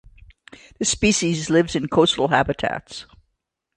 This species lives in coastal habitats.